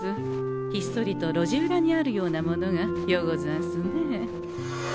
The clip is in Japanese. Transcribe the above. ひっそりと路地裏にあるようなものがようござんすね。